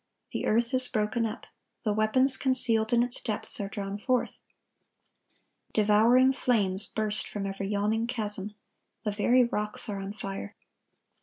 The earth is broken up. The weapons concealed in its depths are drawn forth. Devouring flames burst from every yawning chasm. The very rocks are on fire.